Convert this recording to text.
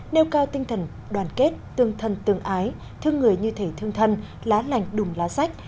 nêu cao tinh thần đoàn kết tương thân tương ái thương người như thể thương thân lá lành đùm lá sách